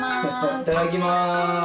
いただきます。